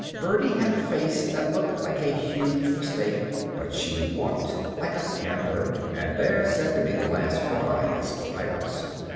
Birdie had a face that looked like a huge mistake, but she walked like a panther, and they're said to be the last cry as gliders.